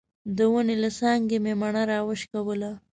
د ونې له څانګې مې مڼه راوشکوله.